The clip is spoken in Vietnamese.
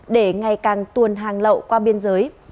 để ngày càng tuồn hàng lậu qua biên giới